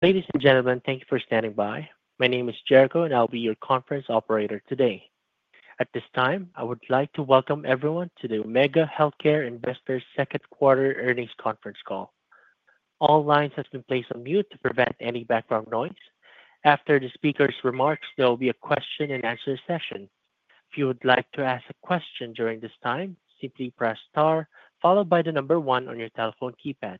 Ladies and gentlemen, thank you for standing by. My name is Jericho and I'll be your conference operator today. At this time I would like to welcome everyone to the Omega Healthcare Investors Second Quarter Earnings Conference Call. All lines have been placed on mute to prevent any background noise. After the speaker's remarks, there will be a question and answer session. If you would like to ask a question during this time, simply press star followed by the number one on your telephone keypad.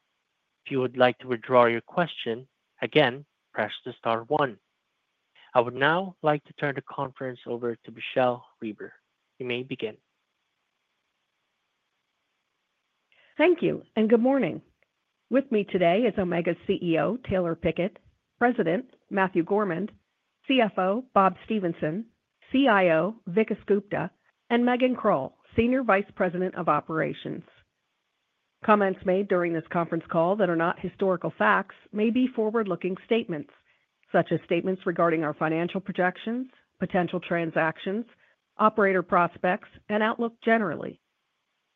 If you would like to withdraw your question, again press the star one. I would now like to turn the conference over to Michele Reber. You may begin. Thank you and good morning. With me today is Omega's CEO Taylor Pickett, President Matthew Gormand, CFO Bob Stephenson, CIO Vikas Gupta, and Megan Krull, Senior Vice President of Operations. Comments made during this conference call that are not historical facts may be forward-looking statements such as statements regarding our financial projections, potential transactions, operator prospects, and outlook. Generally,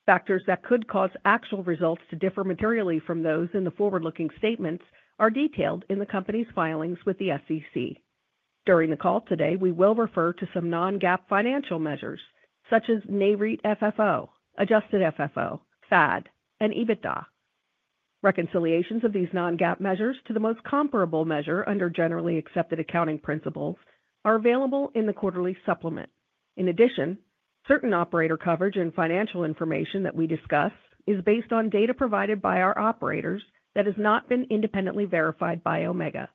factors that could cause actual results to differ materially from those in the forward-looking statements are detailed in the company's filings with the SEC. During the call today we will refer to some non-GAAP financial measures such as NAREIT FFO, adjusted FFO, FAD, and EBITDA. Reconciliations of these non-GAAP measures to the most comparable measure under Generally Accepted Accounting Principles are available in the quarterly supplement. In addition, certain operator coverage and financial information that we discuss is based on data provided by our operators that has not been independently verified by Omega.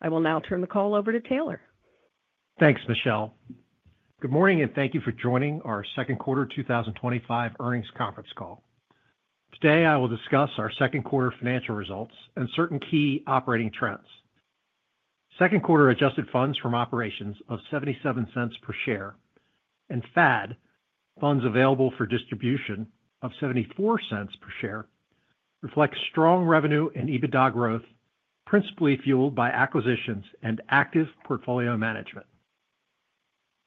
I will now turn the call over to Taylor. Thanks Michele, good morning and thank you for joining our Second Quarter 2025 Earnings Conference Call. Today I will discuss our second quarter financial results and certain key operating trends. Second quarter adjusted funds from operations of $0.77 per share and FAD funds available for distribution of $0.74 per share reflect strong revenue and EBITDA growth principally fueled by acquisitions and active portfolio management.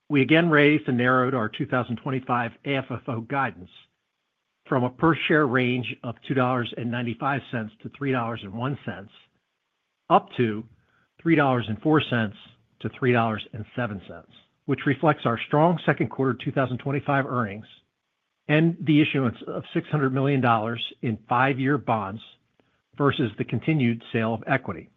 We again raised and narrowed our 2025 AFFO guidance from a per share range of $2.95 to $3.01 up to $3.04 to $3.07, which reflects our strong second quarter 2025 earnings and the issuance of $600 million in five-year bonds versus the continued sale of equity.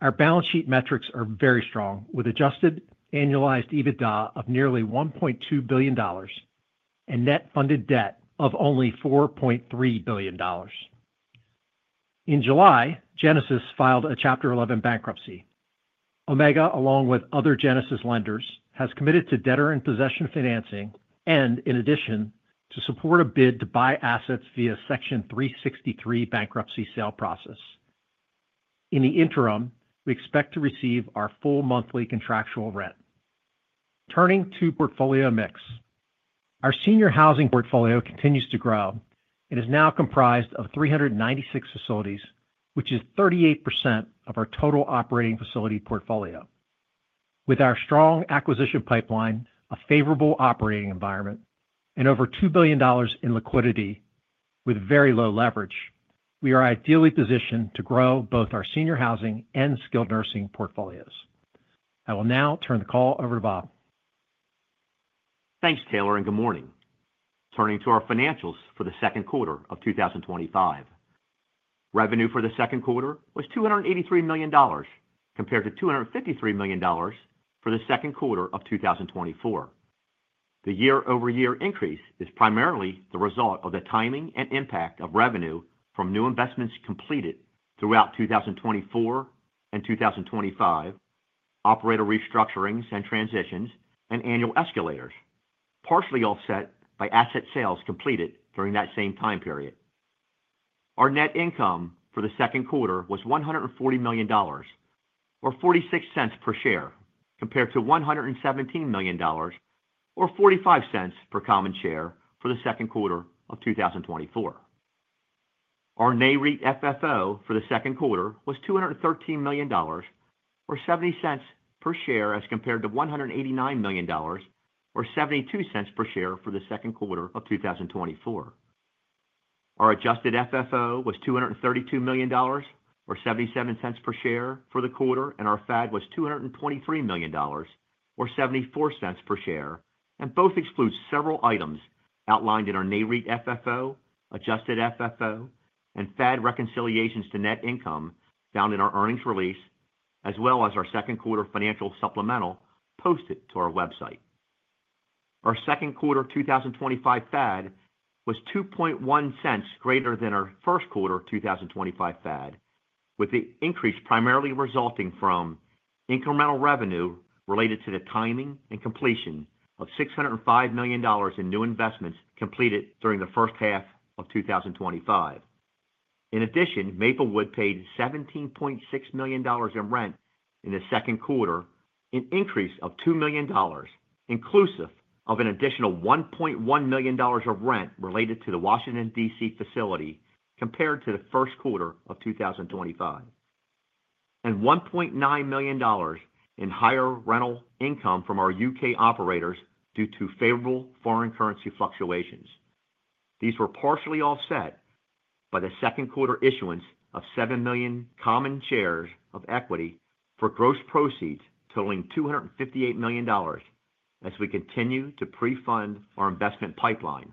Our balance sheet metrics are very strong with adjusted annualized EBITDA of nearly $1.2 billion and net funded debt of only $4.3 billion. In July, Genesis filed a Chapter 11 bankruptcy. Omega, along with other Genesis lenders, has committed to debtor-in-possession financing and in addition to support a bid to buy assets via Section 363 bankruptcy sale process. In the interim, we expect to receive our full monthly contractual rent. Turning to portfolio mix, our senior housing portfolio continues to grow. It is now comprised of 396 facilities, which is 38% of our total operating facility portfolio. With our strong acquisition pipeline, a favorable operating environment, and over $2 billion in liquidity with very low leverage, we are ideally positioned to grow both our senior housing and skilled nursing portfolios. I will now turn the call over to Bob. Thanks Taylor, and good morning. Turning to our financials for the second quarter of 2025, revenue for the second quarter was $283 million compared to $253 million for the second quarter of 2024. The year-over-year increase is primarily the result of the timing and impact of revenue from new investments completed throughout 2024 and 2025, operator restructurings and transitions, and annual escalators, partially offset by asset sales completed during that same time period. Our net income for the second quarter was $140 million, or $0.46 per share, compared to $117 million or $0.45 per common share for the second quarter of 2024. Our NAREIT FFO for the second quarter was $213 million or $0.70 per share, as compared to $189 million or $0.72 per share for the second quarter of 2024. Our adjusted FFO was $232 million or $0.77 per share for the quarter and our FAD was $223 million or $0.74 per share, and both exclude several items outlined in our NAREIT FFO. Adjusted FFO and FAD reconciliations to net income are found in our earnings release as well as our second quarter financial supplemental posted to our website. Our second quarter 2025 FAD was $2.01 greater than our first quarter 2025 FAD, with the increase primarily resulting from incremental revenue related to the timing and completion of $605 million in new investments completed during the first half of 2025. In addition, Maplewood paid $17.6 million in rent in the second quarter, an increase of $2 million inclusive of an additional $1.1 million of rent related to the Washington, D.C. facility compared to the first quarter of 2025, and $1.9 million in higher rental income from our UK operators due to favorable foreign currency fluctuations. These were partially offset by the second quarter issuance of 7 million common shares of equity for gross proceeds totaling $258 million. As we continue to pre-fund our investment pipeline,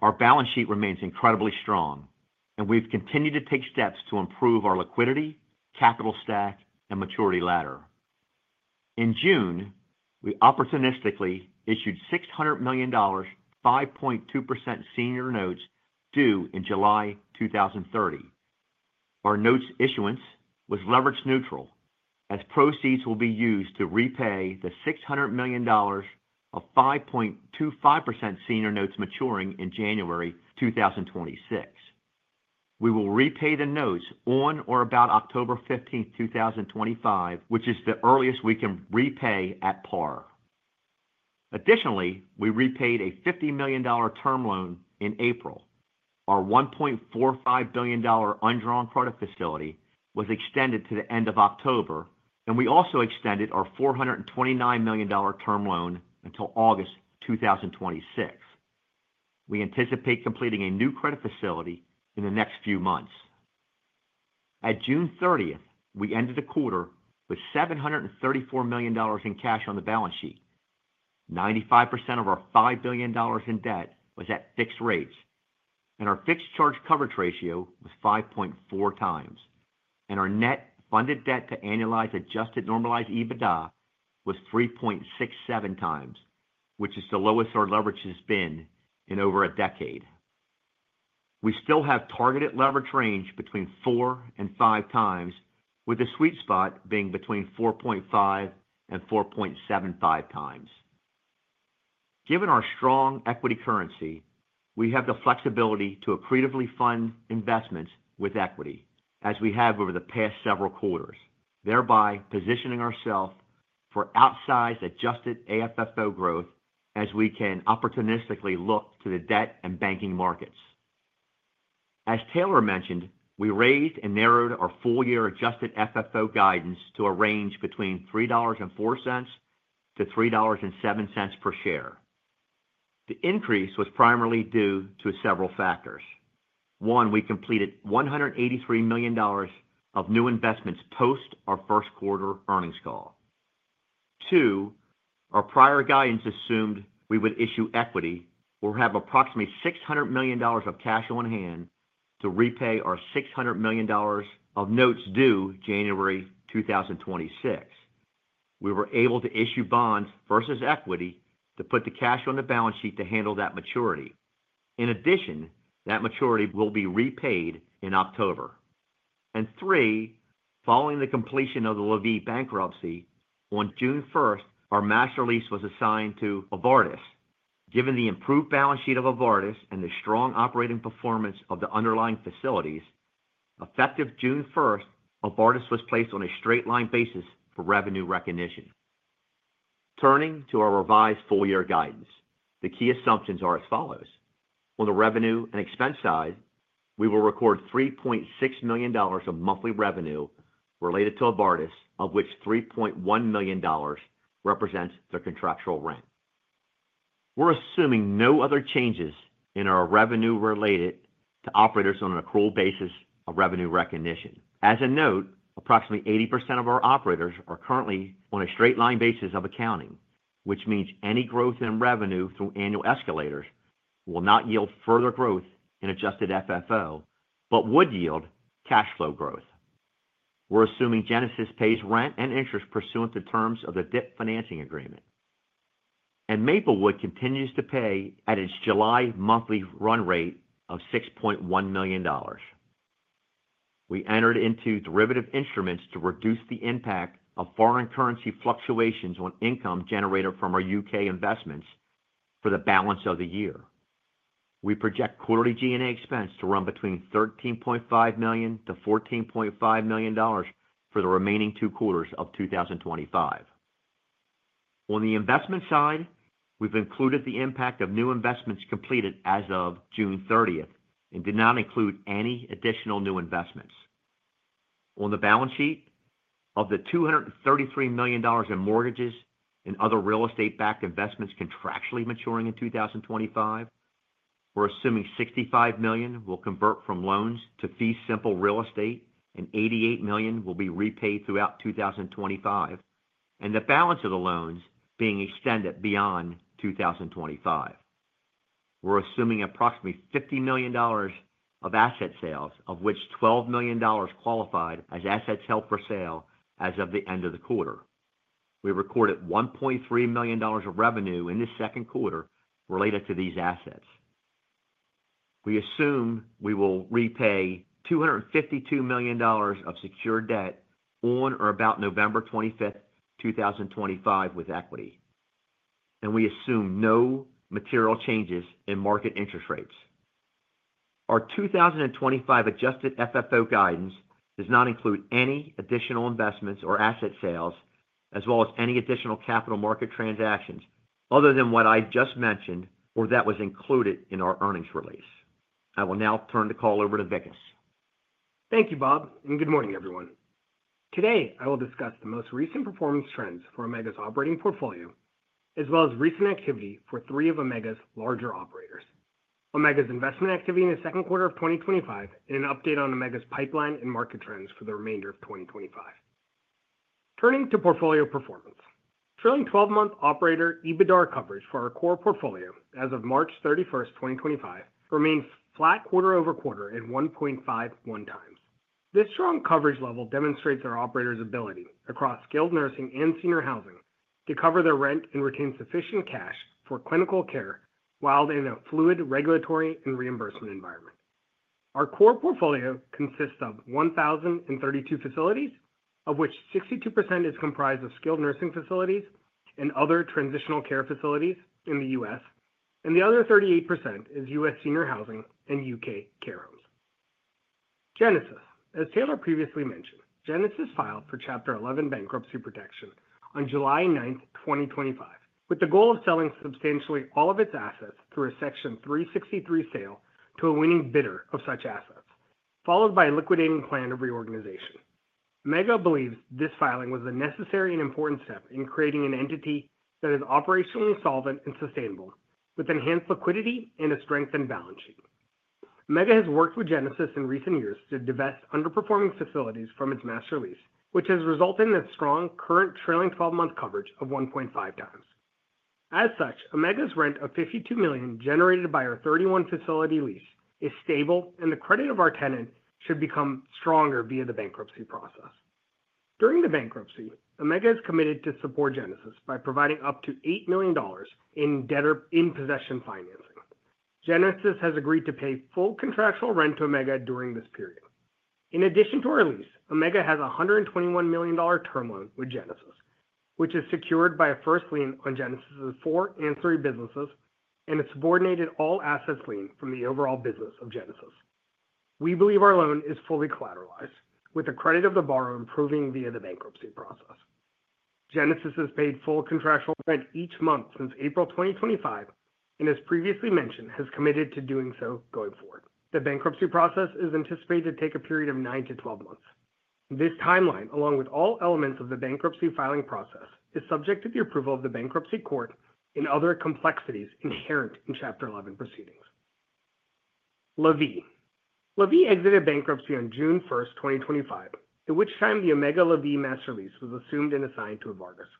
our balance sheet remains incredibly strong and we've continued to take steps to improve our liquidity, capital stack, and maturity ladder. In June, we opportunistically issued $600 million 5.2% senior notes due in July 2030. Our notes issuance was leverage neutral as proceeds will be used to repay the $600 million of 5.25% senior notes maturing in January 2026. We will repay the notes on or about October 15, 2025, which is the earliest we can repay at par. Additionally, we repaid a $50 million term loan in April. Our $1.45 billion undrawn credit facility was extended to the end of October and we also extended our $429 million term loan until August 2026. We anticipate completing a new credit facility in the next few months. At June 30th, we ended the quarter with $734 million in cash on the balance sheet, 95% of our $5 billion in debt was at fixed rates, and our fixed charge coverage ratio was 5.4 times. Our net funded debt to annualized adjusted normalized EBITDA was 3.67 times, which is the lowest our leverage has been in over a decade. We still have a targeted leverage range between 4 and 5 times with the sweet spot being between 4.5 and 4.75 times. Given our strong equity currency, we have the flexibility to accretively fund investments with equity as we have over the past several quarters, thereby positioning ourselves for outsized adjusted AFFO growth as we can opportunistically look to the debt and banking markets. As Taylor Pickett mentioned, we raised and narrowed our full year adjusted FFO guidance to a range between $3.04 to $3.07 per share. The increase was primarily due to several factors. One, we completed $183 million of new investments post our first quarter earnings call. Two, our prior guidance assumed we would issue equity or have approximately $600 million of cash on hand to repay our $600 million of notes due January 2026. We were able to issue bonds versus equity to put the cash on the balance sheet to handle that maturity. In addition, that maturity will be repaid in October. Three, following the completion of the LaVie bankruptcy on June 1st, our master lease was assigned to Avartis. Given the improved balance sheet of Avartis and the strong operating performance of the underlying facilities effective June 1st, Avartis was placed on a straight line basis for revenue recognition. Turning to our revised full year guidance, the key assumptions are as follows. On the revenue and expense side, we will record $3.6 million of monthly revenue related to Avartis, of which $3.1 million represents their contractual rent. We're assuming no other changes in our revenue related to operators on an accrual basis of revenue recognition. As a note, approximately 80% of our operators are currently on a straight line basis of accounting, which means any growth in revenue through annual escalators will not yield further growth in adjusted FFO but would yield cash flow growth. We're assuming Genesis pays rent and interest pursuant to terms of the debtor-in-possession financing agreement and Maplewood continues to pay at its July monthly run rate of $6.1 million. We entered into derivative instruments to reduce the impact of foreign currency fluctuations on income generated from our UK investments for the balance of the year. We project quarterly G&A expense to run between $13.5 million to $14.5 million for the remaining two quarters of 2025. On the investment side, we've included the impact of new investments completed as of June 30th and did not include any additional new investments on the balance sheet. Of the $233 million in mortgages and other real estate backed investments contractually maturing in 2025, we're assuming $65 million will convert from loans to fee simple real estate and $88 million will be repaid throughout 2025, and the balance of the loans being extended beyond 2025. We're assuming approximately $50 million of asset sales, of which $12 million qualified as assets held for sale as of the end of the quarter. We recorded $1.3 million of revenue in the second quarter related to these assets. We assume we will repay $252 million of secured debt on or about November 25th 2025, with equity, and we assume no material changes in market interest rates. Our 2025 adjusted FFO guidance does not include any additional investments or asset sales, as well as any additional capital market transactions other than what I just mentioned or that was included in our earnings release. I will now turn the call over to Vikas. Thank you, Bob, and good morning, everyone. Today I will discuss the most recent performance trends for Omega Healthcare Investors' operating portfolio as well as recent activity for three of Omega's larger operators, Omega's investment activity in the second quarter of 2025, and an update on Omega's pipeline and market trends for the remainder of 2025. Turning to portfolio performance, trailing twelve month operator EBITDAR coverage for our core portfolio as of March 31st 2025, remains flat quarter over quarter at 1.51 times. This strong coverage level demonstrates our operators' ability across skilled nursing and senior housing to cover their rent and retain sufficient cash for clinical care while in a fluid regulatory and reimbursement environment. Our core portfolio consists of 1,032 facilities, of which 62% is comprised of skilled nursing facilities and other transitional care facilities in the U.S., and the other 38% is U.S. senior housing and UK care homes. Genesis, as Taylor previously mentioned, filed for Chapter 11 bankruptcy protection on July 9, 2025, with the goal of selling substantially all of its assets through a Section 363 asset sale to a winning bidder of such assets, followed by a liquidating plan of reorganization. Omega believes this filing was a necessary and important step in creating an entity that is operationally solvent and sustainable with enhanced liquidity and a strengthened balance sheet. Omega has worked with Genesis in recent years to divest underperforming facilities from its master lease, which has resulted in a strong current trailing twelve month coverage of 1.5 times. As such, Omega's rent of $52 million generated by our 31 facility lease is stable, and the credit of our tenant should become stronger via the bankruptcy process. During the bankruptcy, Omega is committed to support Genesis by providing up to $8 million in debtor-in-possession financing. Genesis has agreed to pay full contractual rent to Omega during this period. In addition to our lease, Omega has a $121 million term loan with Genesis, which is secured by a first lien on Genesis' four ancillary businesses and a subordinated all assets lien from the overall business of Genesis. We believe our loan is fully collateralized with the credit of the borrower improving via the bankruptcy process. Genesis has paid full contractual rent each month since April 2025 and, as previously mentioned, has committed to doing so going forward. The bankruptcy process is anticipated to take a period of 9 to 12 months. This timeline, along with all elements of the bankruptcy filing process, is subject to the approval of the Bankruptcy Court and other complexities inherent in Chapter 11 proceedings. LaVie exited bankruptcy on June 1st 2025, at which time the Omega-LaVie master lease was assumed and assigned to Avartis.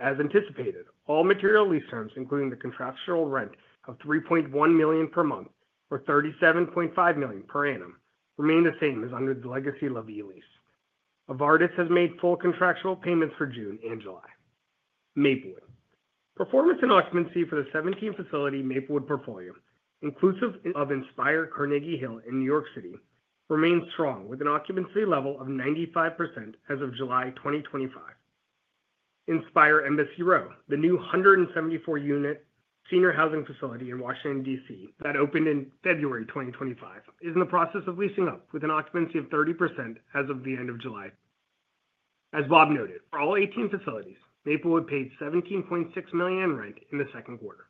As anticipated, all material lease terms, including the contractual rent of $3.1 million per month or $37.5 million per annum, remain the same as under the legacy LaVie lease. Avartis has made full contractual payments for June and July. Maplewood performance and occupancy for the 17-facility Maplewood portfolio, inclusive of Inspire Carnegie Hill in New York City, remains strong with an occupancy level of 95% as of July 2025. Inspire Embassy Row, the new 174-unit senior housing facility in Washington, D.C. that opened in February 2025, is in the process of leasing up with an occupancy of 30% as of the end of July. As Bob noted, for all 18 facilities, Maplewood paid $17.6 million rent in the second quarter.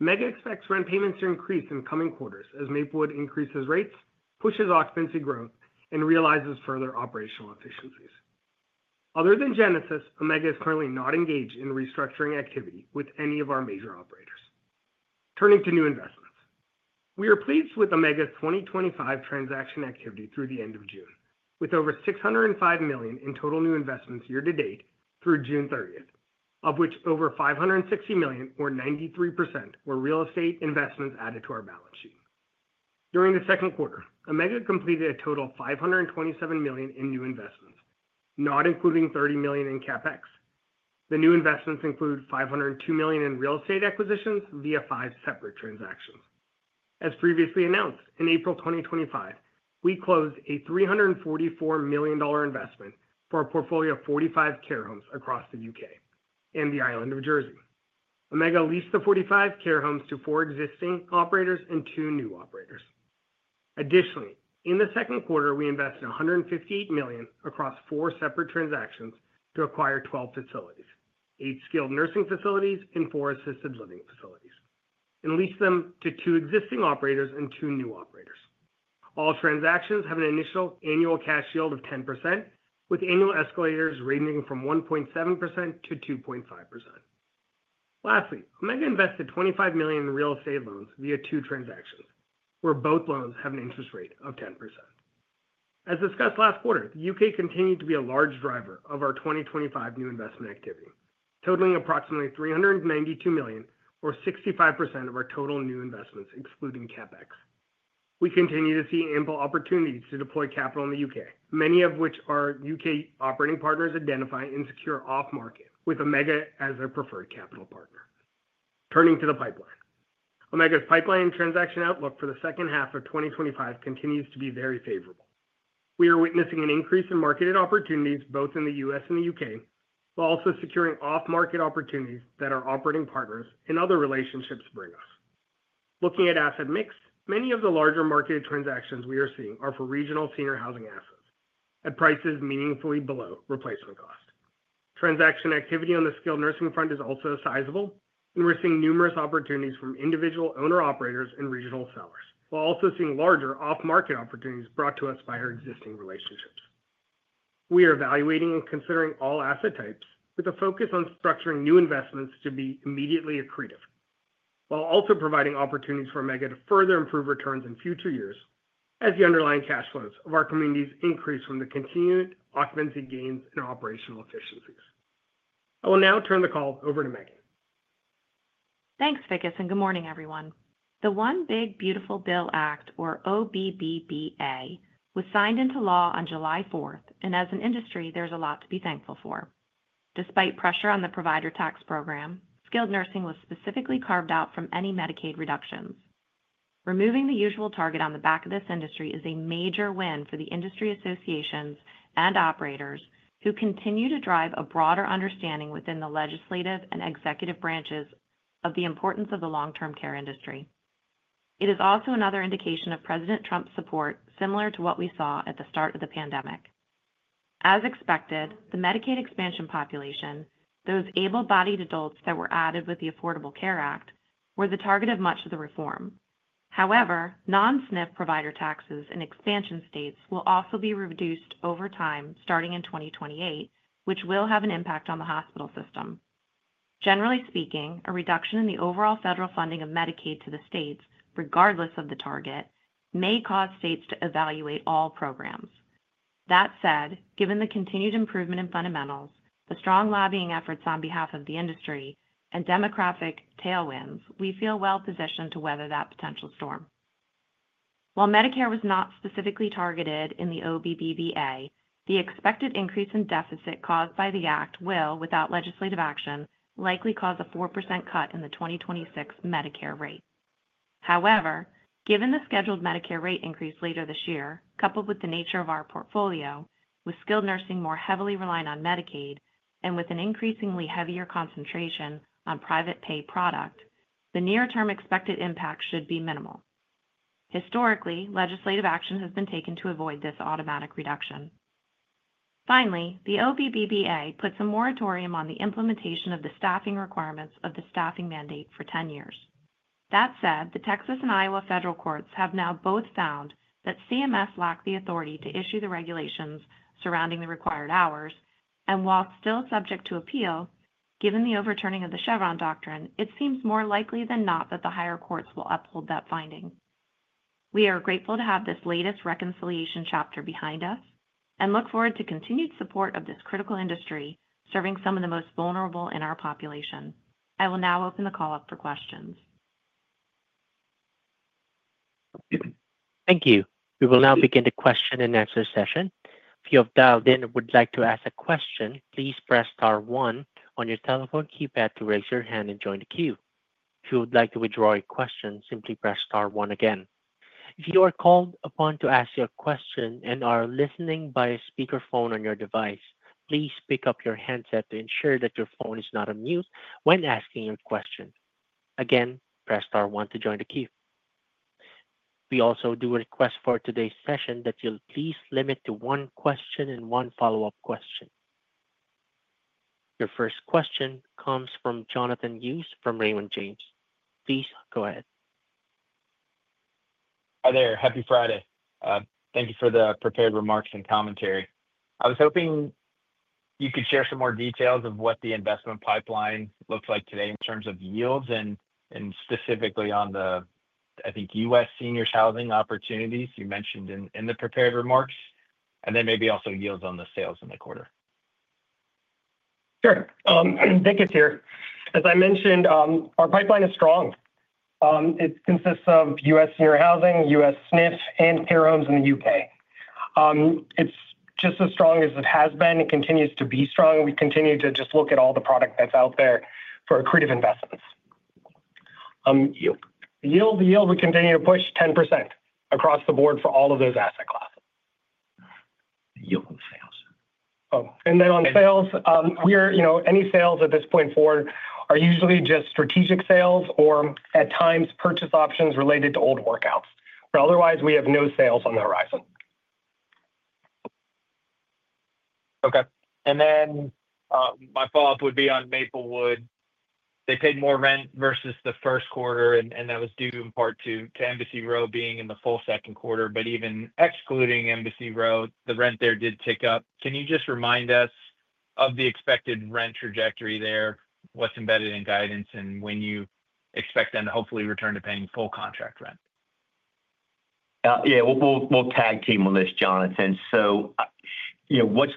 Omega expects rent payments to increase in coming quarters as Maplewood increases rates, pushes occupancy growth, and realizes further operational efficiencies. Other than Genesis, Omega is currently not engaged in restructuring activity with any of our major operators. Turning to new investments, we are pleased with Omega's 2025 transaction activity through the end of June with over $605 million in total new investments year to date through June 30th of which over $560 million or 93% were real estate investments added to our balance sheet. During the second quarter, Omega completed a total of $527 million in new investments, not including $30 million in CapEx. The new investments include $502 million in real estate acquisitions via five separate transactions. As previously announced, in April 2025 we closed a $344 million investment for a portfolio of 45 care homes across the UK and the island of Jersey. Omega leased the 45 care homes to four existing operators and two new operators. Additionally, in the second quarter we invested $158 million across four separate transactions to acquire 12 facilities, eight skilled nursing facilities and four assisted living facilities, and lease them to two existing operators and two new operators. All transactions have an initial annual cash yield of 10% with annual escalators ranging from 1.7% to 2.5%. Lastly, Omega invested $25 million in real estate loans via two transactions where both loans have an interest rate of 10%. As discussed last quarter, the UK continued to be a large driver of our 2025 new investment activity, totaling approximately $392 million or 65% of our total new investments. Excluding CapEx, we continue to see ample opportunities to deploy capital in the UK, many of which are UK operating partners identify in secure off market with Omega as their preferred capital partner. Turning to the pipeline, Omega's pipeline transaction outlook for the second half of 2025 continues to be very favorable. We are witnessing an increase in marketed opportunities both in the U.S. and the UK, while also securing off market opportunities that our operating partners and other relationships bring us. Looking at asset mix, many of the larger marketed transactions we are seeing are for regional senior housing assets at prices meaningfully below replacement cost. Transaction activity on the skilled nursing front is also sizable and we're seeing numerous opportunities from individual owner operators and regional sellers while also seeing larger off market opportunities brought to us by our existing relationships. We are evaluating and considering all asset types with a focus on structuring new investments to be immediately accretive while also providing opportunities for Omega to further improve returns in future years as the underlying cash flows of our communities increase from the continued occupancy gains and operational efficiencies. I will now turn the call over to Megan. Thanks, Vikas, and good morning, everyone. The One Big Beautiful Bill Act, or OBBBA, was signed into law on July 4th, and as an industry, there's a lot to be thankful for. Despite pressure on the provider tax program, skilled nursing was specifically carved out from any Medicaid reductions. Removing the usual target on the back of this industry is a major win for the industry associations and operators who continue to drive a broader understanding within the legislative and executive branches of the importance of the long term care industry. It is also another indication of President Trump's support, similar to what we saw at the start of the pandemic. As expected, the Medicaid expansion population, those able-bodied adults that were added with the Affordable Care Act, were the target of much of the reform. However, non-SNF provider taxes in expansion states will also be reduced over time starting in 2028, which will have an impact on the hospital system. Generally speaking, a reduction in the overall federal funding of Medicaid to the states, regardless of the target, may cause states to evaluate all programs. That said, given the continued improvement in fundamentals, the strong lobbying efforts on behalf of the industry, and demographic tailwinds, we feel well positioned to weather that potential storm. While Medicare was not specifically targeted in the OBBBA, the expected increase in deficit caused by the act will, without legislative action, likely cause a 4% cut in the 2026 Medicare rate. However, given the scheduled Medicare rate increase later this year, coupled with the nature of our portfolio, with skilled nursing more heavily relying on Medicaid and with an increasingly heavier concentration on private pay product, the near-term expected impact should be minimal. Historically, legislative action has been taken to avoid this automatic reduction. Finally, the OBBBA puts a moratorium on the implementation of the staffing requirements of the staffing mandate for 10 years. That said, the Texas and Iowa federal courts have now both found that CMS lacked the authority to issue the regulations surrounding the required hours, and while still subject to appeal, given the overturning of the Chevron doctrine, it seems more likely than not that the higher courts will uphold that finding. We are grateful to have this latest reconciliation chapter behind us and look forward to continued support of this critical industry serving some of the most vulnerable in our population. I will now open the call up for questions. Thank you. We will now begin the question and answer session. If you have dialed in and would like to ask a question, please press star one on your telephone keypad to raise your hand and join the queue. If you would like to withdraw a question, simply press star one again. If you are called upon to ask your question and are listening by a speakerphone on your device, please pick up your handset to ensure that your phone is not on mute when asking your question. Again, press star one to join the queue. We also do request for today's session that you please limit to one question and one follow up question. Your first question comes from Jonathan Hughes from Raymond James. Please go ahead. Hi there. Happy Friday. Thank you for the prepared remarks and commentary. I was hoping you could share some more details of what the investment pipeline looks like today in terms of yields and specifically on the, I think U.S. seniors housing opportunities you mentioned in the prepared remarks. Maybe also yields on the sales in the quarter. Sure. Vikas here. As I mentioned, our pipeline is strong. It consists of U.S. senior housing, U.S. skilled nursing, and care homes in the UK. It's just as strong as it has been. It continues to be strong. We continue to just look at all the product that's out there for accretive. Investments yield the yield. We continue to push 10% across the board. Board for all of those asset classes, yield sales. Oh, on sales, we are, you know, any sales at this point forward are usually just strategic sales or at times purchase options related to old workouts. Otherwise, we have no sales on the horizon. Okay. My follow up would be on Maplewood. They paid more rent versus the first quarter and that was due in part to Embassy Row being in the full second quarter. Even excluding Embassy Row, the rent there did tick up. Can you just remind us of the expected rent trajectory there, what's embedded in guidance, and when you expect them to hopefully return to paying full contract rent? Yeah, we'll tag team on this, Jonathan. You know what's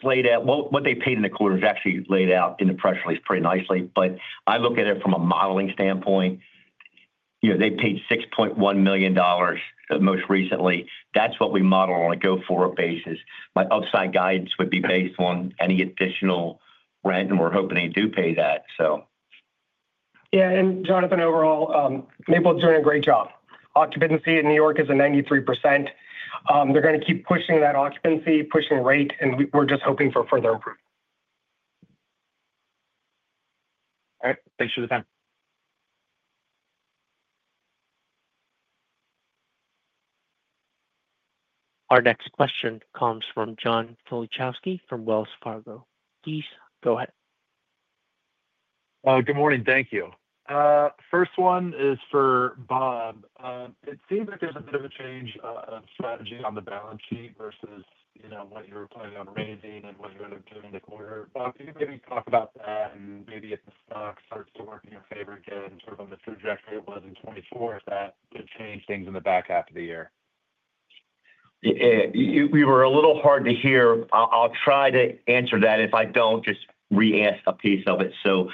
laid out, what. They paid in the quarter. Laid out in the press release pretty nice. I look at it from a modeling standpoint. You know, they paid $6.1 million most recently. That's what we model on a go forward basis. My upside guidance would be based on any additional rent, and we're hoping they do pay that. Yeah. Jonathan, overall Maplewood is doing a great job. Occupancy in New York is at 93%. They're going to keep pushing that occupancy, pushing rate, and we're just hoping for further improvement. All right, thanks for the time. Our next question comes from John Kilichowski from Wells Fargo. Please go ahead. Good morning. Thank you. First one is for Bob. It seems like there's a bit of a change of strategy on the balance sheet versus, you know, what you were planning on raising and what you end up doing in the quarter. Bob, can you maybe talk about that and maybe if the stock starts to work in your favor again, sort of on the trajectory it was in 2024. If that could change things in the back half of the year, we were a little hard to hear. I'll try to answer that. If I don't, just re-ask a piece of it. The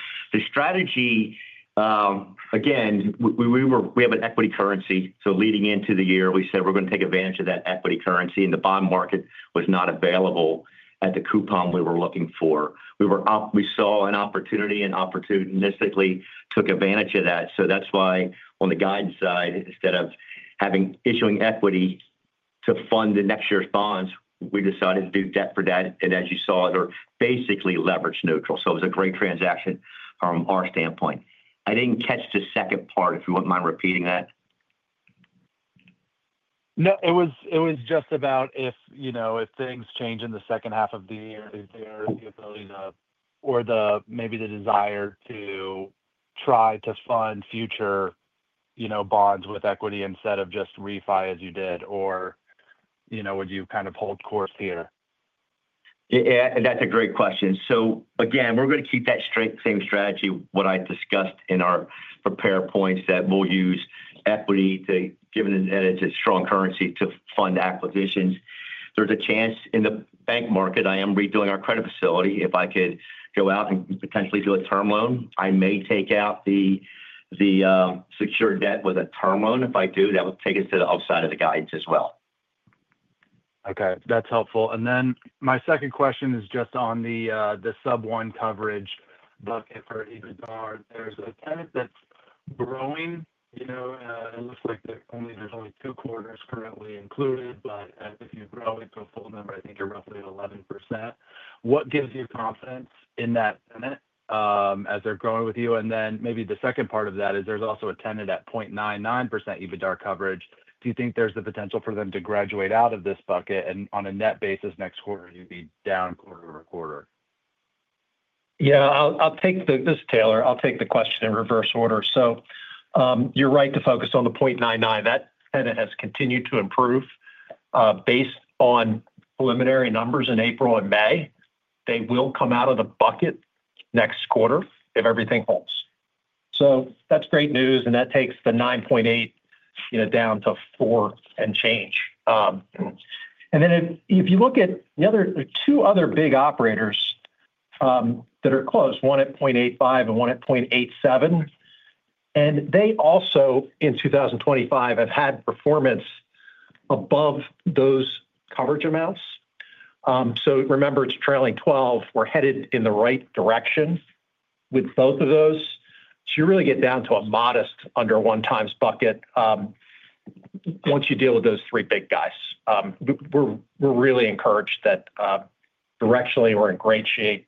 strategy, again, we have an equity currency. Leading into the year we said we're going to take advantage of that equity currency. The bond market was not available at the coupon we were looking for. We saw an opportunity and opportunistically took advantage of that. That's why on the guidance side, instead of issuing equity to fund the next year's bonds, we decided to do debt for debt. As you saw, they're basically leverage neutral. It was a great transaction from our standpoint. I didn't catch the second part, if you wouldn't mind repeating that. No, it was just about. If things change in the second half of the year or maybe the desire to try to fund future bonds with equity instead of just refi as you did, would you kind of hold court here? That's a great question. We're going to keep that straight. Same strategy, what I discussed in our prepared points, that we'll use equity to keep. Given that it's a strong currency to fund acquisitions, there's a chance in the bank market I am redoing our credit facility. If I could go out and potentially do a term loan, I may take out the secured debt with a term loan. If I do, that will take us to the upside of the guidance as well. Okay, that's helpful. My second question is just. On the sub one coverage bucket for each guard, there's a tenant that's growing. It looks like there's only two quarters currently included, but if you grow into a full number, I think you're roughly 11. What gives you confidence in that tenant as they're growing with you? Maybe the second part of that is there's also a tenant at 0.99 EBITDAR coverage. Do you think there's the potential for them to graduate out of this bucket and on a net basis next quarter, you'd be down quarter over quarter? I'll take this, Taylor. I'll take the question in reverse order. You're right to focus on the 0.99 that has continued to improve based on preliminary numbers in April and May. They will come out of the bucket next quarter if everything holds. That's great news. That takes the 9.8 down to 4 and change. If you look at the other two other big operators that are close, one at 0.85 and one at 0.87, they also in 2025 have had performance above those coverage amounts. Remember, it's trailing 12. We're headed in the right direction with both of those. You really get down to a modest under one times bucket once you deal with those three big guys. We're really encouraged that directionally we're in great shape.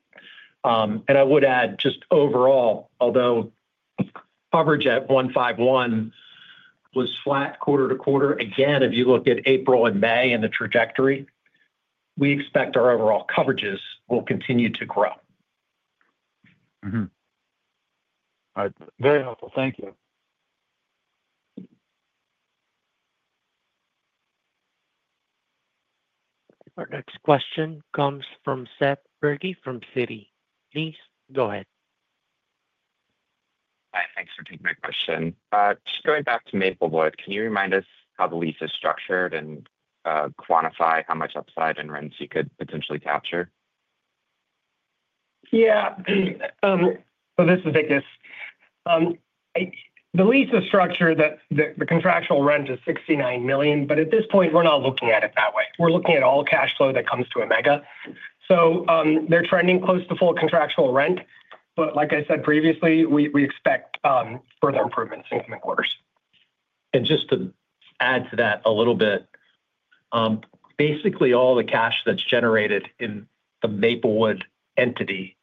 I would add just overall, although coverage at 1.51 was flat quarter to quarter, if you look at April and May and the trajectory, we expect our overall coverages will continue to grow. Very helpful, thank you. Our next question comes from Seth Bergey from Citi. Please go ahead. Hi. Thanks for taking my question. Just going back to Maplewood. Can you remind us how the lease is structured and quantify how much upside? Rents you could potentially capture? Yeah. This is Vikas. The lease structure is that the contractual rent is $69 million. At this point, we're not looking at it that way. We're looking at all cash flow that comes to Omega. They're trending close to full contractual rent. Like I said previously, we expect further improvements in coming quarters. To add to that a little bit, basically all the cash that's generated in the Maplewood entity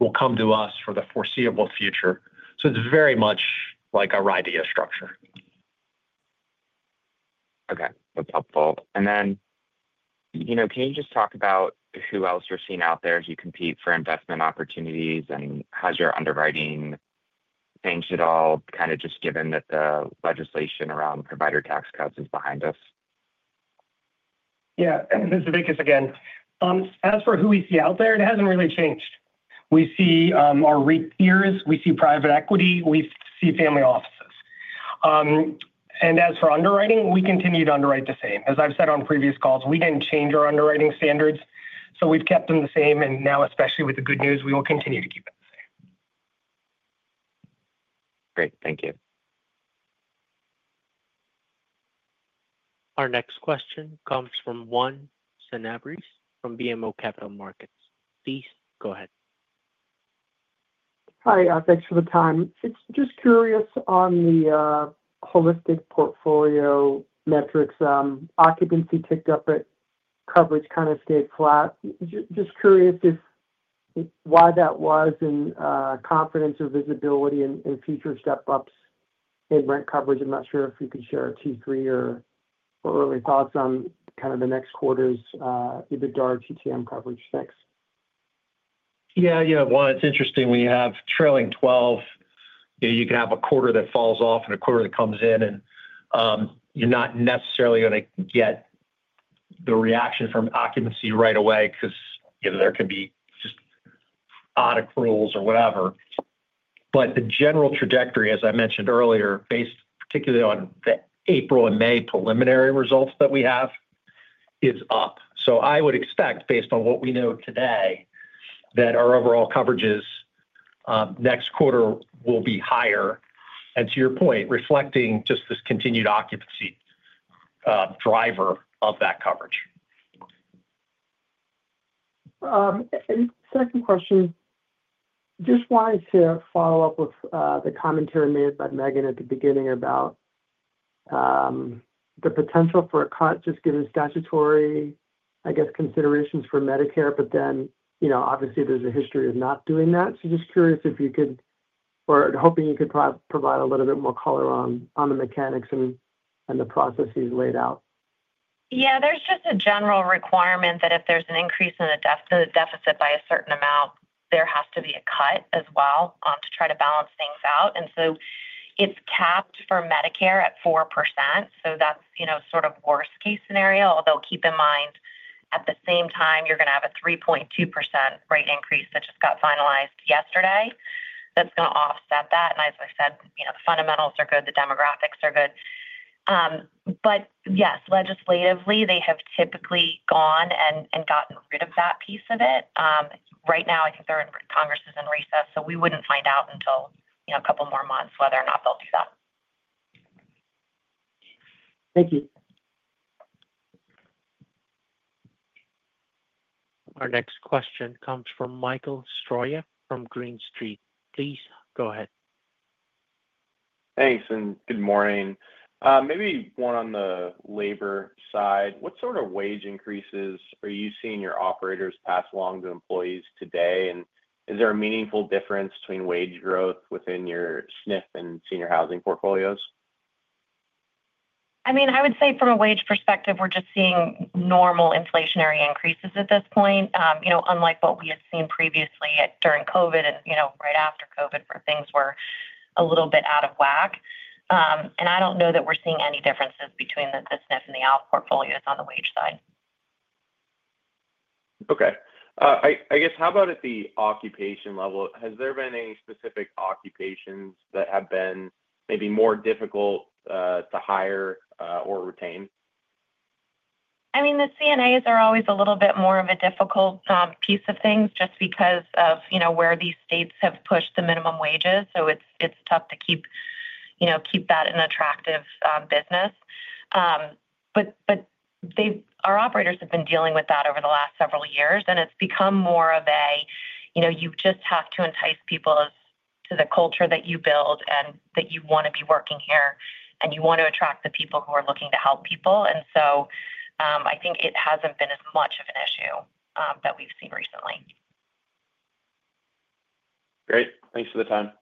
will come to us for the foreseeable future. It's very much like a RIDEA structure. Okay, that's helpful. Can you just. Talk about who else you're seeing out there as you compete for investment opportunities. Has your underwriting changed at all, just given that the legislation? Around provider tax cuts is behind us. Yeah, this is Vikas again. As for who we see out there, it hasn't really changed. We see our REIT peers, we see private equity, we see family offices. As for underwriting, we continue to underwrite the same. As I've said on previous calls, we didn't change our underwriting standards, so we've kept them the same. Especially with the good news, we will continue to keep it the same. Great. Thank you. Our next question comes from Juan Sanabris from BMO Capital Markets. Please go ahead. Hi. Thanks for the time. Just curious on the holistic portfolio metrics. Occupancy ticked up, and coverage kind of stayed flat. Just curious if why that was in. Confidence or visibility in future step-ups in rent coverage. I'm not sure if you could share. A T3 or early thoughts on kind of the next quarter's EBITDAR TTM coverage fix. Yeah, you know, one, it's interesting when you have trailing twelve, you can have a quarter that falls off and a quarter that comes in, and you're not necessarily going to get the reaction from occupancy right away because there could be just odd accruals or whatever. The general trajectory, as I mentioned earlier, based particularly on the April and May preliminary results that we have, is up. I would expect, based on what we know today, that our overall coverages next quarter will be higher and, to your point, reflecting just this continued occupancy driver of that coverage. Second question, just wanted to follow up with the commentary made by Megan at. The beginning about the potential for a. Given statutory, I guess, considerations for Medicare. Obviously, there's a. History of not doing that. I am curious if you could provide a little bit. More color on the mechanics and the processes laid out. Yeah, there's just a general requirement that if there's an increase in the deficit by a certain amount, there has to be a cut as well to try to balance things out. It's capped for Medicare at 4%. That's, you know, sort of worst case scenario. Although keep in mind at the same time you're going to have a 3.2% rate increase that just got finalized yesterday that's going to offset that. As I said, you know, the fundamentals are good, the demographics are good. Yes, legislatively they have typically gone and gotten rid of that piece of it. Right now I think Congress is in recess so we wouldn't find out until a couple more months, whether or not they'll do that. Thank you. Our next question comes from Michael Stroyeck from Green Street. Please go ahead. Thanks and good morning. Maybe one on the labor side. What sort of wage increases are you seeing your operators pass along to employees today? Is there a meaningful difference between wage growth within your SNF and senior housing portfolios? I mean, I would say from a wage perspective, we're just seeing normal inflationary increases at this point, you know, unlike what we had seen previously during COVID and, you know, right after COVID where things were a little bit out of whack. I don't know that we're seeing any differences between the SNF and the ALF portfolios on the wage side. Okay, I guess. How about at the occupation level? Has there been any specific occupations that have been maybe more difficult to hire or retain? I mean, the CNAs are always a little bit more of a difficult piece of things just because of where these states have pushed the minimum wages. It's tough to keep that an attractive business. Our operators have been dealing with that over the last several years, and it's become more of a, you just have to entice people to the culture that you build and that you want to be working here and you want to attract the people who are looking to help people. I think it hasn't been as much of an issue that we've seen recently. Great. Thanks for the time.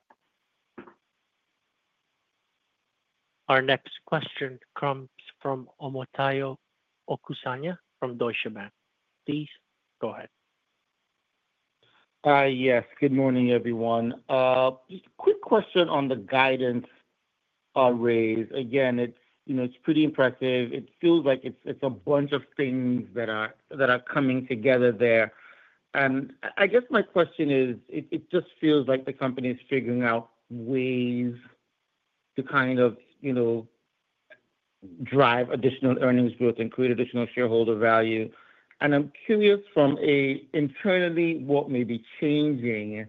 Our next question comes from Omotayo Okusanya from Deutsche Bank. Please go ahead. Yes, good morning, everyone. Quick question on the guidance raise again. It's pretty impressive. It feels like it's a bunch of things that are coming together there. I guess my question is it just feels like the company is figuring out ways to kind of drive additional earnings growth and create additional shareholder value. I'm curious, internally, what may be changing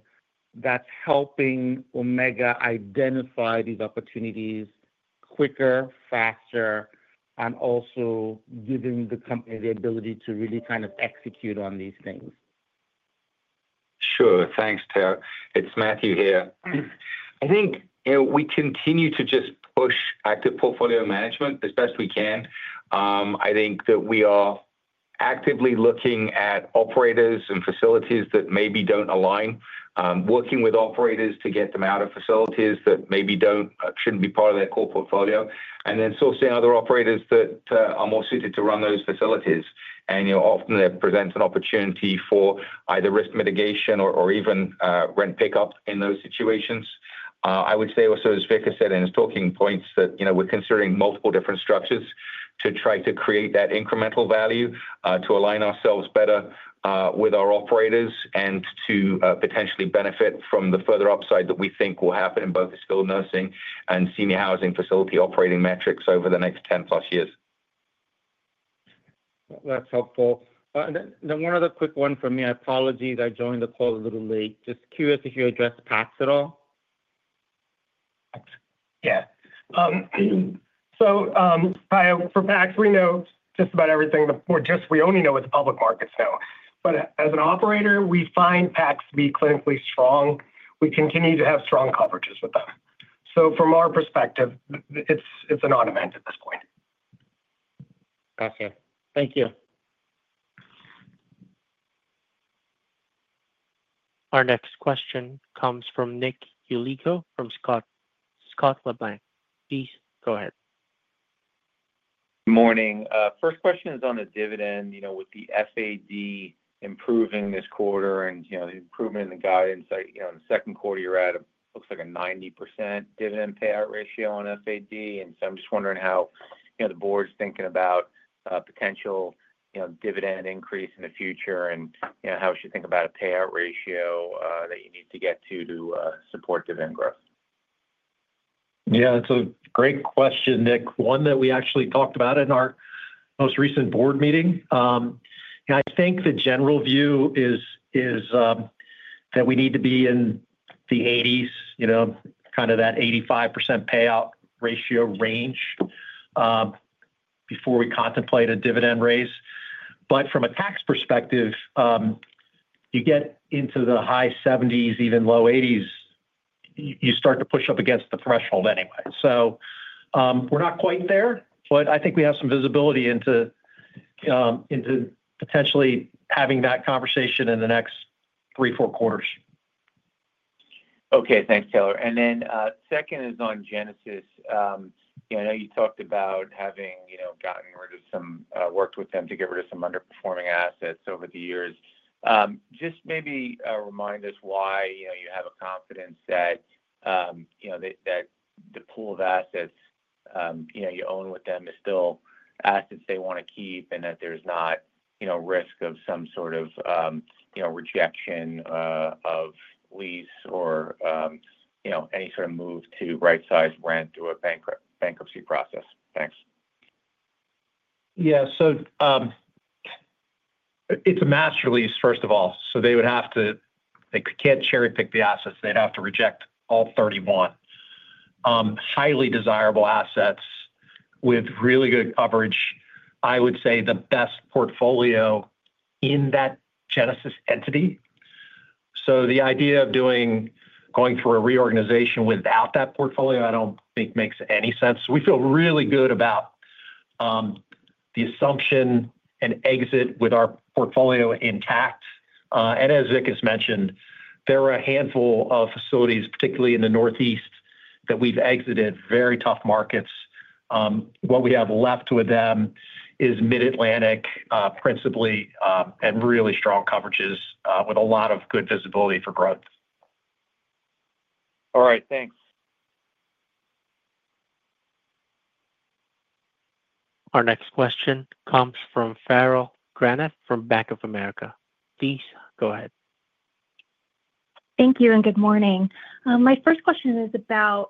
that's helping Omega identify these opportunities quicker, faster, and also giving the company the ability to really kind of execute on these things? Sure. Thanks. Ter, it's Matthew here. I think we continue to just push active portfolio management as best we can. I think that we are actively looking at operators and facilities that maybe don't align, working with operators to get them out of facilities that maybe shouldn't be part of their core portfolio, and sourcing other operators, operators that are more suited to run those facilities. You know, often that presents an opportunity for either risk mitigation or even rent pickup in those situations. I would say also, as Vikas said in his talking points, that we're considering multiple different structures to try to create that incremental value, to align ourselves better with our operators, and to potentially benefit from the further upside that we think will happen in both the skilled nursing and senior housing facility operating metrics over the next 10+ years. That's helpful. One other quick one for me, I apologize, I joined the call a little late. Just curious if you addressed PACs at all. Yeah, for PACs, we know just about everything. We only know what the public markets know. As an operator, we find PACs to be clinically strong. We continue to have strong coverages with them. From our perspective, it's an odd. Event at this point. Gotcha. Thank you. Our next question comes from Nick Yulico from Scotiabank. Please go ahead. Morning. First question is on the dividend. You know, with the FAD improving this quarter and, you know, the improvement in. The guidance second quarter you're at looks. Like a 90% dividend payout ratio on FAD. I'm just wondering how the board's thinking about potential dividend increase in the future and how we should think about a payout ratio that you need to get to to support dividend growth. Yeah, it's a great question, Nick, one that we actually talked about in our most recent board meeting. I think the general view is that we need to be in the 80s, kind of that 85% payout ratio range before we contemplate a dividend raise. From a tax perspective, you get into the high 70s, even low 80s, you start to push up against the threshold anyway. We're not quite there, but I think we have some visibility into potentially having that conversation in the next three, four quarters. Okay, thanks, Taylor. Second is on Genesis. I know you talked about having gotten rid of some, worked with them to get rid of some underperforming assets over the years. Just maybe remind us why you have. A confidence that. The pool of assets you own with them is still assets they want to keep and that there's not, you know, risk of some sort of, you know, rejection of lease or, you know, any sort of move to right size rent or a bankruptcy process. Thanks. Yeah, it's a master lease, first of all. They would have to. They can't cherry pick the assets. They'd have to reject all 31 highly desirable assets with really good coverage. I would say the best portfolio in that Genesis entity. The idea of going through a reorganization without that portfolio I don't think makes any sense. We feel really good about the assumption and exit with our portfolio intact. As Vikas mentioned, there are a handful of facilities, particularly in the Northeast, that we've exited, very tough markets. What we have left with them is Mid Atlantic principally and really strong coverages with a lot of good visibility for growth. All right, thanks. Our next question comes from Farrell Granath from Bank of America. Please go ahead. Thank you and good morning. My first question is about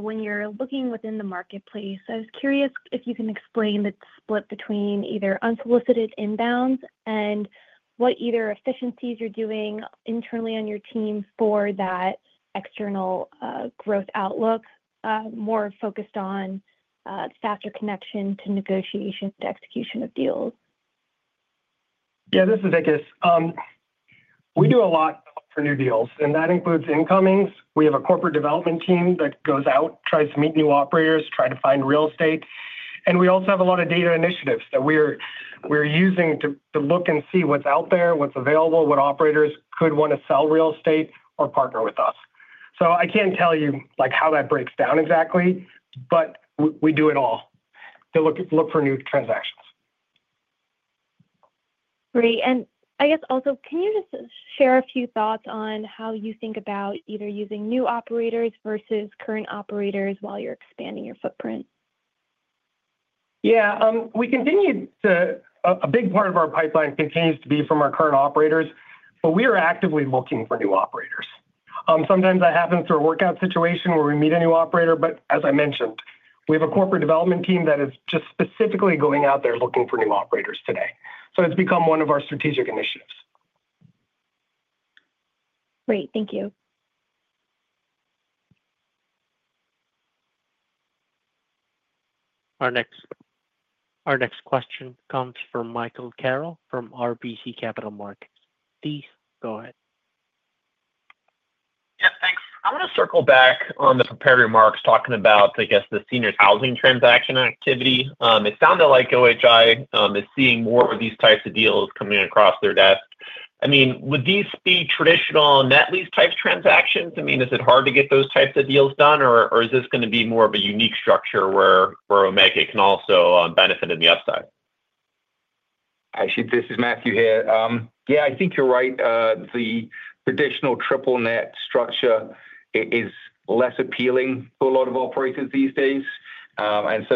when you're looking within the marketplace. I was curious if you can explain the split between either unsolicited inbounds and what efficiencies you're doing internally on your team for that external growth outlook, more focused on faster connection to negotiation, to execution of deals. Yeah, this is Vikas. We do a lot for new deals and that includes incomings. We have a corporate development team that goes out, tries to meet new operators, tries to find real estate. We also have a lot of data initiatives that we're using to look and see what's out there, what's available, what operators could want to sell. Real estate or partner with us. I can't tell you how that breaks down exactly, but we do it all to look for new transactions. Great. Can you just share a few thoughts on how you think about either using new operators versus current operators while you're expanding your footprint? Yeah, we continue to. A big part of our pipeline continues to be from our current operators, but we are actively looking for new operators. Sometimes that happens through a workout situation where we meet a new operator. As I mentioned, we have a corporate development team that is just specifically going out there looking for new operators today. It's become one of our strategic initiatives. Great, thank you. Our next question comes from Michael Carroll from RBC Capital Markets. Please go ahead. I want to circle back on the prepared remarks talking about, I guess, the senior housing transaction activity. It sounded like Omega Healthcare Investors is seeing more of these types of deals coming across their desk. Would these be traditional net lease type transactions? Is it hard to get those types of deals done, or is this going to be more of a unique structure where Omega can also benefit in the upside? Actually, this is Matthew here. Yeah, I think you're right. The traditional triple net structure is less appealing for a lot of operators these days.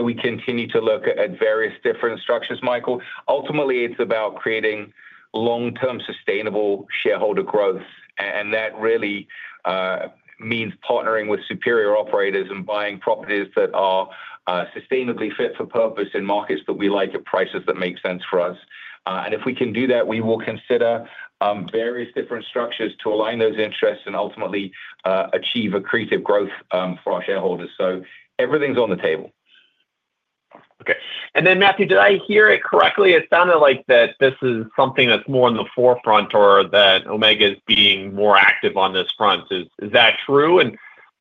We continue to look at various different structures, Michael. Ultimately, it's about creating long-term sustainable shareholder growth. That really means partnering with superior operators and buying properties that are sustainably fit for purpose in markets that we like at prices that make sense for us. If we can do that, we will consider various different structures to align those interests and ultimately achieve accretive growth for our shareholders. Everything's on the table. Okay. Matthew, did I hear it correctly? It sounded like this is something that's more in the forefront or that Omega is being more active on this front. Is that true?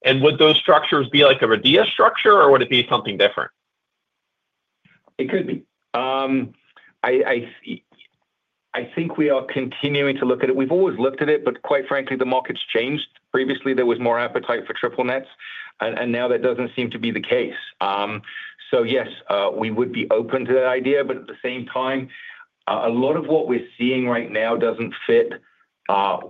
Would those structures be like a REIT structure or would it be something different? It could be. I think we are continuing to look at it. We've always looked at it, but quite frankly, the market's changed. Previously, there was more appetite for triple nets, and now that doesn't seem to be the case. Yes, we would be open to that idea, but at the same time, a lot of what we're seeing right now doesn't fit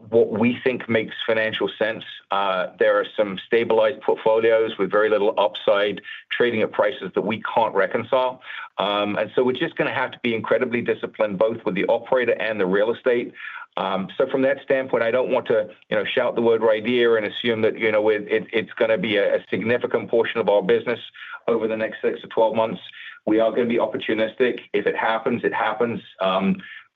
what we think makes financial sense. There are some stabilized portfolios with very little upside trading at prices that we can't reconcile. We are just going to have to be incredibly disciplined, both with the operator and the real estate. From that standpoint, I don't want to shout the word right here and assume that it's going to be a significant portion of our business over the next six to 12 months. We are going to be opportunistic. If it happens, it happens.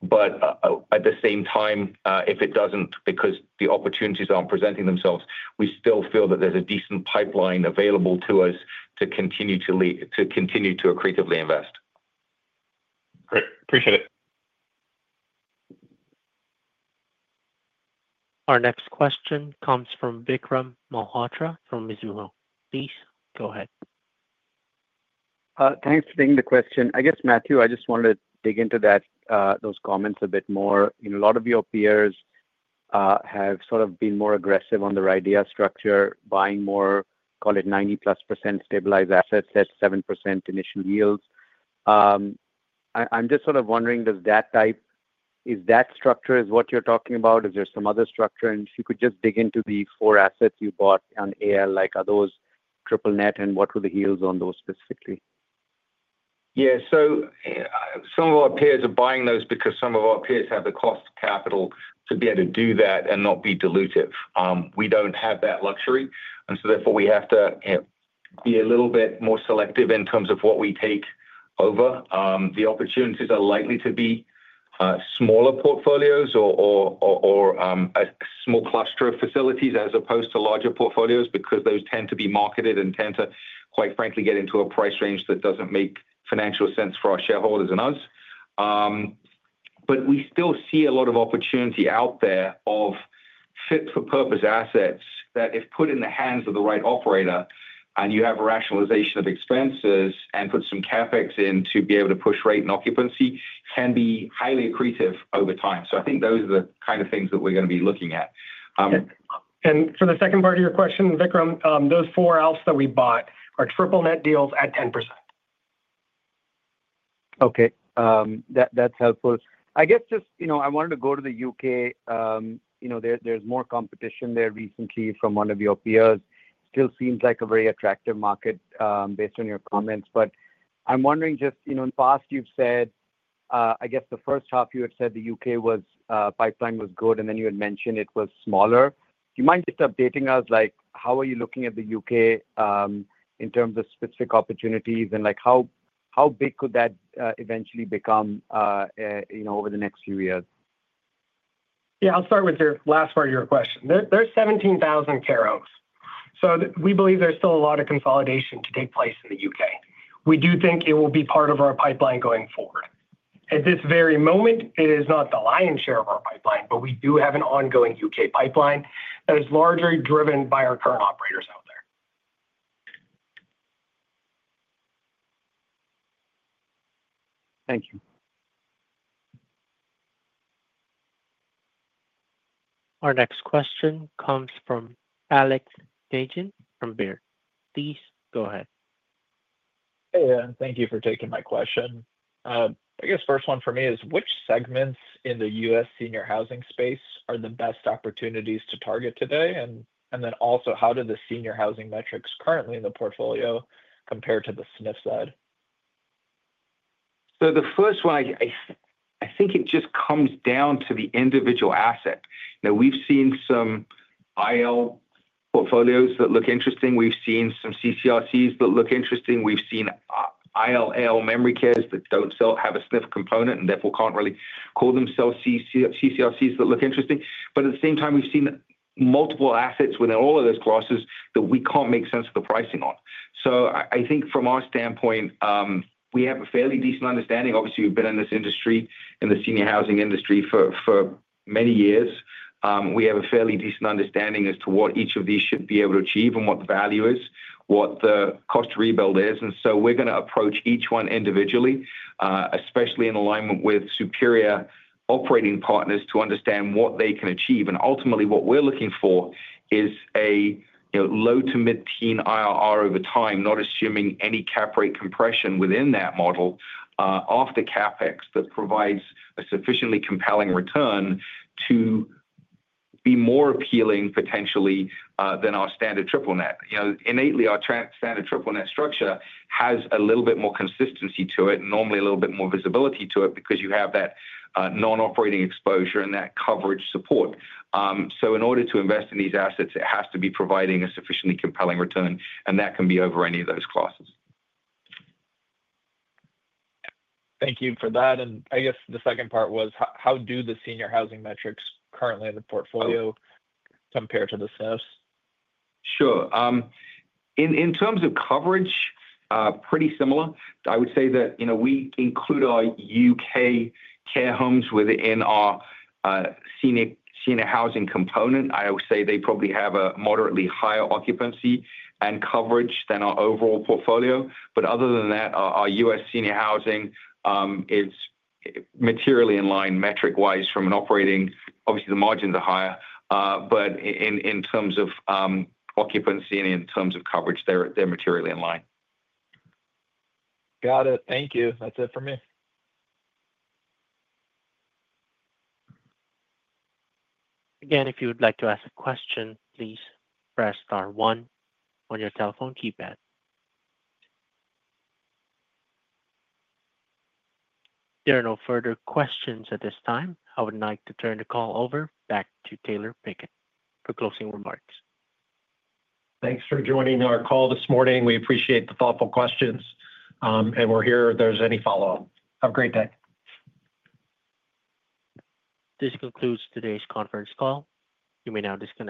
At the same time, if it doesn't because the opportunities aren't presenting themselves, we still feel that there's a decent pipeline available to us to continue to accretively invest. Great. Appreciate it. Our next question comes from Vikram Malhotra from Mizuho. Please go ahead. Thanks for taking the question, I guess, Matthew, I just wanted to dig into that, those comments a bit more. A lot of your peers have sort of been more aggressive on their idea structure, buying more, call it 90+% stabilized assets at 7% initial yields. I'm just sort of wondering, does that type. Is that structure what you're talking about? Is there some other structure? If you could just dig into the four assets you bought on [AL], like are those triple net and what were the yields on those specifically? Yeah, some of our peers are buying those because some of our peers have the cost of capital to be able to do that and not be dilutive. We don't have that luxury, so we have to be a little bit more selective in terms of what we take over. The opportunities are likely to be smaller portfolios or a small cluster of facilities as opposed to larger portfolios because those tend to be marketed and tend to, quite frankly, get into a price range that doesn't make financial sense for our shareholders and us. We still see a lot of opportunity out there of fit-for-purpose assets that, if put in the hands of the right operator and you have a rationalization of expenses and put some CapEx in to be able to push rate and occupancy, can be highly accretive over time. I think those are the kind of things that we're going to be looking at. For the second part of your question, Vikram, those four ALFs that we bought are triple net deals at 10%. Okay, that's helpful, I guess. I wanted to go to the UK. There's more competition there recently from one of your peers. It still seems like a very attractive market based on your comments. I'm wondering, in the past you've said, I guess the first half you had said the UK pipeline was good and then you had mentioned it was smaller. Do you mind just updating us? How are you looking at the UK in terms of specific opportunities and how big could that eventually become over the next few years? Yeah, I'll start with your last part of your question. There's 17,000 care homes, so we believe there's still a lot of consolidation to take. Place in the UK. We do think it will be part of our pipeline going forward. At this very moment, it is not the lion's share of our pipeline, but we do have an ongoing UK pipeline that is largely driven. By our current operators there. Thank you. Our next question comes from Alex [Agent] from [Baird]. Please go ahead. Thank you for taking my question. I guess first one for me is which segments in the U.S. senior housing space are the best opportunities to target today? Also, how do the senior housing metrics currently in the portfolio compare to the SNF side? The first one, I think it just comes down to the individual asset. We've seen some IL portfolios that look interesting, we've seen some CCRCs that look interesting, we've seen IL memory cares that don't have a SNF component and therefore can't really call themselves CCRCs that look interesting. At the same time, we've seen multiple assets within all of those classes that we can't make sense of the pricing on. I think from our standpoint we have a fairly decent understanding. Obviously, we've been in this industry, in the senior housing industry for many years. We have a fairly decent understanding as to what each of these should be able to achieve and what the value is, what the cost rebuild is. We're going to approach each one individually, especially in alignment with superior operating partners to understand what they can achieve. Ultimately, what we're looking for is a low to mid teen IRR over time, not assuming any cap rate compression within that model after CapEx, that provides a sufficiently compelling return to be more appealing potentially than our standard triple net. Innately, our standard triple net structure has a little bit more consistency to it normally, a little bit more visibility to it because you have that non-operating exposure and that coverage support. In order to invest in these assets it has to be providing a sufficiently compelling return and that can be over any of those classes. Thank you for that. I guess the second part was how do the senior housing metrics currently in the portfolio compare to the SNFs? Sure. In terms of coverage, pretty similar. I would say that, you know, we include our UK care homes within our senior housing component. I would say they probably have a moderately higher occupancy and coverage than our overall portfolio. Other than that, our US senior housing is materially in line metric wise. From an operating, obviously the margins are higher, but in terms of occupancy and in terms of coverage, they're materially in line. Got it. Thank you. That's it for me again. If you would like to ask a question, please press star one on your telephone keypad. There are no further questions at this time. I would like to turn the call over back to Taylor Pickett for closing remarks. Thanks for joining our call this morning. We appreciate the thoughtful questions, and we're here if there's any follow up. Have a great day. This concludes today's conference call. You may now disconnect.